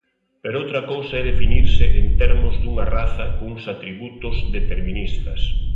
Pero outra cousa é definirse en termos dunha raza cuns atributos deterministas.